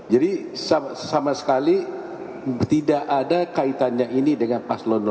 jadi sama sekali tidak ada kaitannya ini dengan paslon nomor dua